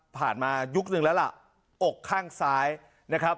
มายุคนึงแล้วล่ะอกข้างซ้ายนะครับ